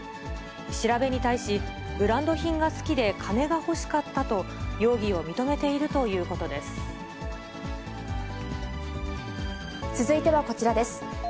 調べに対し、ブランド品が好きで金が欲しかったと、容疑を認めて続いてはこちらです。